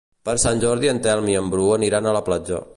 Per Sant Jordi en Telm i en Bru aniran a la platja.